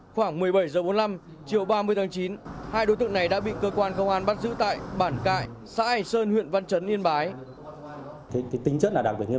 khoảng một mươi bảy h bốn mươi năm chiều ba mươi tháng chín hai đối tượng này đã bị cơ quan công an bắt giữ tại bản cải xã hành sơn huyện văn chấn yên bái